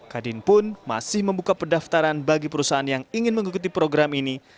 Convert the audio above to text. kadin pun masih membuka pendaftaran bagi perusahaan yang ingin mengikuti program ini